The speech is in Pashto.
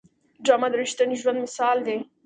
ډرامه د رښتیني ژوند مثال دی